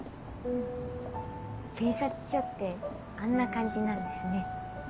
警察署ってあんな感じなんですね。